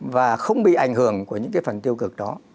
và không bị ảnh hưởng của những cái phần tiêu cực đó